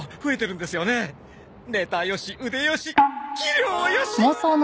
ネタよし腕よし器量よし！